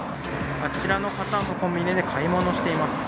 あちらの方もコンビニで買い物しています。